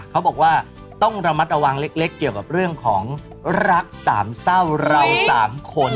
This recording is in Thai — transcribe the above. เขาบอกว่าต้องระมัดระวังเล็กเกี่ยวกับเรื่องของรักสามเศร้าเราสามคน